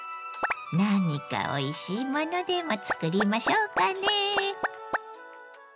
何かおいしいものでも作りましょうかね。